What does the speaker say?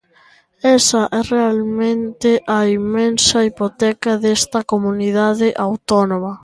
Esa é realmente a inmensa hipoteca desta comunidade autónoma.